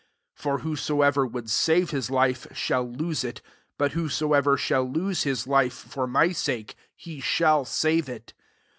24 For whosoever would save his life, shall lose it : but whosoever shall lose his Ufe for my sake, he shall save it.